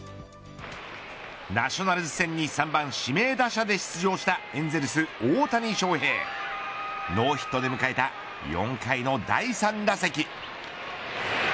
ナショナルズ戦に３番指名打者で出場したエンゼルス、大谷翔平ノーヒットで迎えた４回の第３打席。